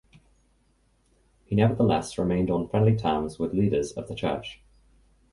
He nevertheless remained on friendly terms with leaders of the church.